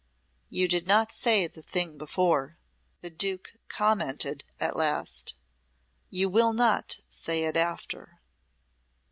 "You did not say the thing before," the Duke commented at last. "You will not say it after."